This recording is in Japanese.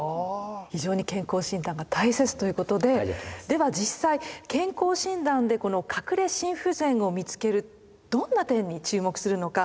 非常に健康診断が大切ということででは実際健康診断でこの隠れ心不全を見つけるどんな点に注目するのか。